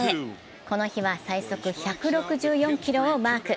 この日は最速１６４キロをマーク。